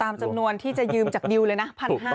จำนวนที่จะยืมจากนิวเลยนะ๑๕๐๐